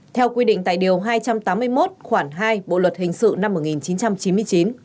theo quy định tại điều hai trăm tám mươi một khoảng hai bộ luật hình sự năm một nghìn chín trăm chín mươi chín